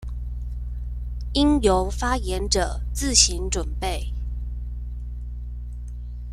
應由發言者自行準備